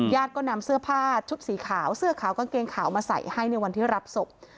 ก็นำเสื้อผ้าชุดสีขาวเสื้อขาวกางเกงขาวมาใส่ให้ในวันที่รับศพ